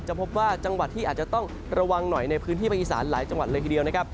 พบว่าจังหวัดที่อาจจะต้องระวังหน่อยในพื้นที่ภาคอีสานหลายจังหวัดเลยทีเดียวนะครับ